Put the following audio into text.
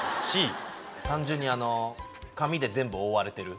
単純に紙で全部覆われてる。